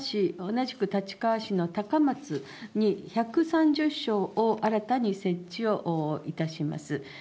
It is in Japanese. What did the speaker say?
同じく立川市のたかまつに１３０床を新たに設置をいたします。